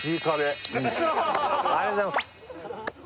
ありがとうございます